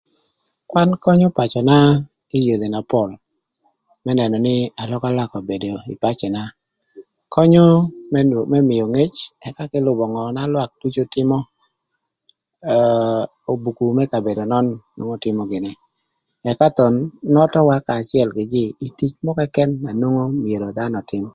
Kwan könyö pacöna kï yodhi na pol më nënö nï alökalöka obedo ï pacöna könyö më mïö ngec ëka kï lübö ngö na lwak ducu tïmö aa obuku më kabedo nön tïmö gïnï ëka thon nöthöwa kanya acël kï jïï kï tic mörö këkën na nwongo myero dhanö ötïm.